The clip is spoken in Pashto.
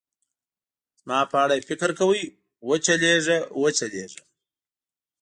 زما په اړه یې فکر کاوه، و چلېږه، و چلېږه.